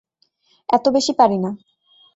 এতো বেশি পারি না।